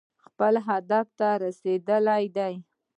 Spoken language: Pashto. خپل هدف ته رسېدلي دي.